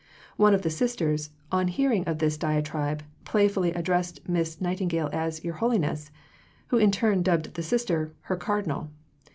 One of the Sisters, on hearing of this diatribe, playfully addressed Miss Nightingale as "Your Holiness," who in turn dubbed the Sister "her Cardinal."